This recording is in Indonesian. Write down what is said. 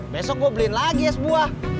besok gue blin lagi ya sebuah